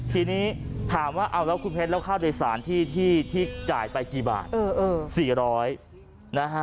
ทีนี้ถามว่าเอาแล้วคุณเพชรแล้วค่าโดยสารที่จ่ายไปกี่บาท๔๐๐นะฮะ